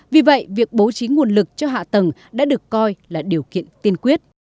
vì vậy việc bố trí nguồn lực cho hạ tầng đã được coi là điều kiện tiên quyết